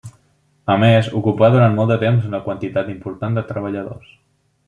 A més, ocupà durant molt de temps una quantitat important de treballadors.